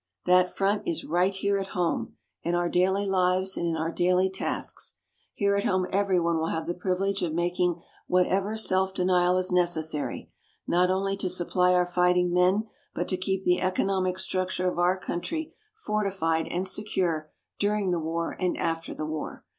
That front is right here at home, in our daily lives, and in our daily tasks. Here at home everyone will have the privilege of making whatever self denial is necessary, not only to supply our fighting men, but to keep the economic structure of our country fortified and secure during the war and after the war.